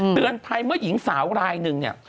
เตือนภัยเมื่อหญิงสาวรายหนึ่งเนี่ย